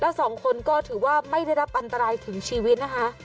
แล้วสองคนก็ถือว่าไม่ได้รับอันตรายถึงชีวิตนะคะ